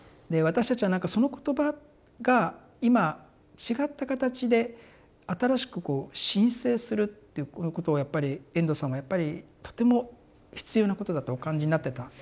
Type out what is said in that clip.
で私たちはなんかその言葉が今違った形で新しくこう新生するっていうこのことをやっぱり遠藤さんはやっぱりとても必要なことだとお感じになってた。